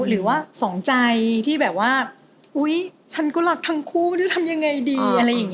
หรือว่าส่องใจที่ชั้นก็รักทั้งคู่ทำยังไงดี